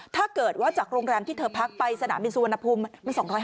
ถ้าเกิดว่าจากโรงแรมที่เธอพักไปสนามบินสุวรรณภูมิมัน๒๕๖๐